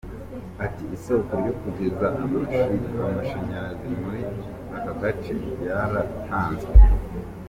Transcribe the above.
Ati “isoko ryo kugeza amashanyarazi muri aka gace ryaratanzwe.